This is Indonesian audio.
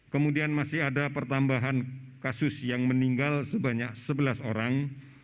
kemudian masih ada pertambahan kasus yang meninggal sebanyak sebelas orang